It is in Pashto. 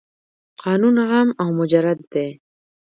قانون عام او مجرد دی.